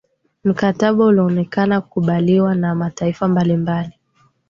mkataba ulionekana kukubaliwa na mataifa mbalimbali